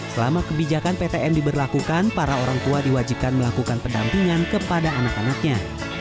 selama kebijakan ptm diberlakukan para orang tua diwajibkan melakukan pendampingan kepada anak anaknya